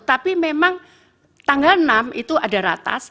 tapi memang tanggal enam itu ada ratas